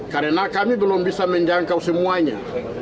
karena kami belum bisa menjangkau semuanya